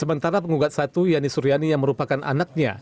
sementara pengugat satu yani suryani yang merupakan anaknya